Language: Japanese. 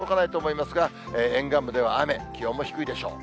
群馬までは届かないと思いますが、沿岸部では雨、気温も低いでしょう。